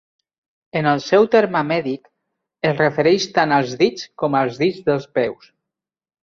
En el seu terme mèdic, es refereix tant als dits com als dits dels peus.